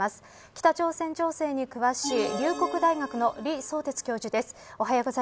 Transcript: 北朝鮮情勢に詳しい龍谷大学の李相哲教授です。